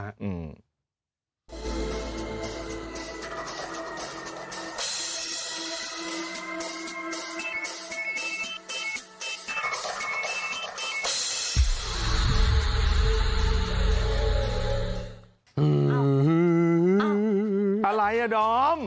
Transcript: อะไรอ่ะดอม